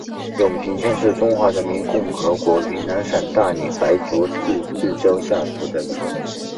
永平县是中华人民共和国云南省大理白族自治州下属的一个县。